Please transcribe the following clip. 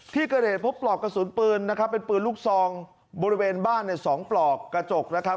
ที่เกิดเหตุพบปลอกกระสุนปืนนะครับเป็นปืนลูกซองบริเวณบ้านเนี่ย๒ปลอกกระจกนะครับ